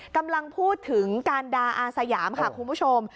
กำลังพูดถึงการดาอาสยามค่ะคุณผู้ชม